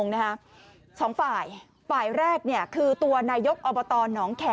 คือเอาอย่างนี้คุณผู้ชมในคลิปเนี่ยบางคนไม่ได้ดูตั้งแต่ต้นเนี่ยอาจจะงงนะฮะ